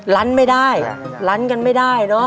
ลันไม่ได้ลันกันไม่ได้